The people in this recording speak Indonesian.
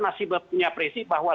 masih punya presi bahwa